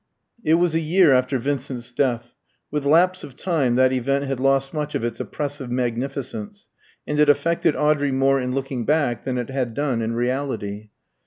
It was a year after Vincent's death. With lapse of time that event had lost much of its oppressive magnificence, and it affected Audrey more in looking back than it had done in reality.